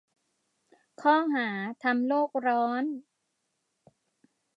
ข้อหา : ทำโลกร้อน.